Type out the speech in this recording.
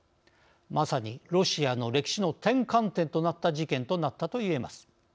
まさに、ロシアの歴史の転換点となった事件となったといえます。